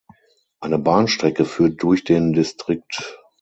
Eine Bahnstrecke führt durch den Distrikt.